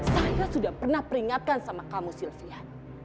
saya sudah pernah peringatkan sama kamu sylvia